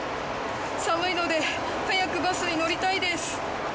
寒いので早くバスに乗りたいです。